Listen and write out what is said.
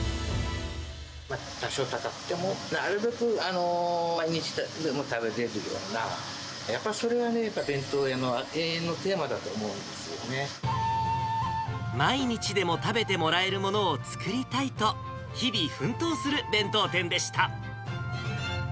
多少高くても、なるべく毎日でも食べられるような、やっぱりそれがね、弁当屋の永遠のテーマ毎日でも食べてもらえるものを作りたいと、日々奮闘する弁当店でした。